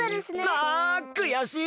あくやしい！